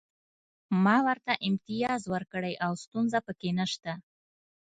ما ورته امتیاز ورکړی او ستونزه پکې نشته